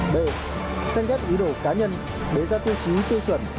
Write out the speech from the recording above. b xem ghép ý đồ cá nhân để ra tiêu chí tiêu chuẩn